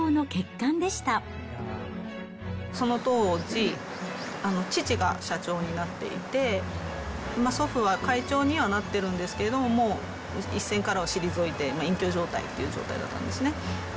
その当時、父が社長になっていて、祖父は会長にはなってるんですけど、もう一線からは退いて、隠居状態っていう状態だったんですね。